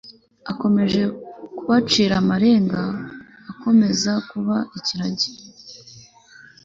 akajya abacira amarenga akomeza kuba ikiragi